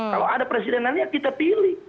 kalau ada presiden lainnya kita pilih